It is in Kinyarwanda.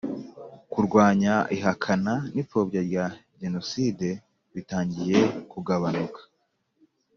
kurwanya ihakana n ipfobya rya genoside bitangiye kugabunuka